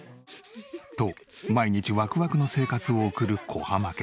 と毎日ワクワクの生活を送る小濱家。